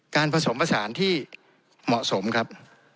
ผสมผสานที่เหมาะสมครับ